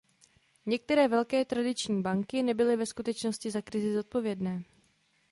Některé velké tradiční banky nebyly ve skutečnosti za krizi zodpovědné.